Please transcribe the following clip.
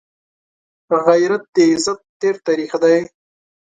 غیرت د عزت تېر تاریخ دی